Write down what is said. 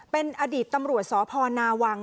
เป็นอดีตตำรวจสพนาวัง